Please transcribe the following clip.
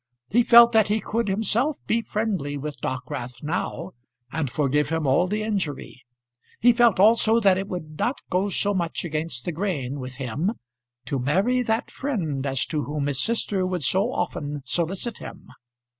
He felt that he could himself be friendly with Dockwrath now, and forgive him all the injury; he felt also that it would not go so much against the grain with him to marry that friend as to whom his sister would so often solicit him.